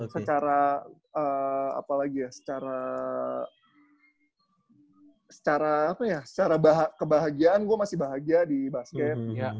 secara apa lagi ya secara kebahagiaan gue masih bahagia di basket